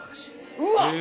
うわっ！